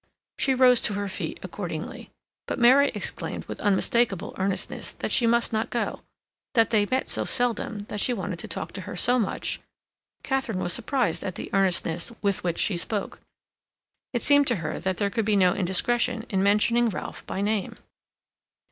She rose to her feet accordingly. But Mary exclaimed, with unmistakable earnestness, that she must not go; that they met so seldom; that she wanted to talk to her so much.... Katharine was surprised at the earnestness with which she spoke. It seemed to her that there could be no indiscretion in mentioning Ralph by name.